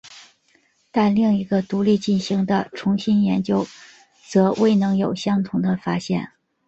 但另一个独立进行的重新研究则未能有相同的发现。